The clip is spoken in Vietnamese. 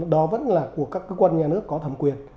đó vẫn là của các cơ quan nhà nước có thẩm quyền